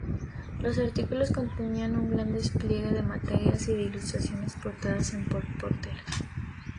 Los artículos contenían un gran despliegue de materias y de ilustraciones aportadas por Porter.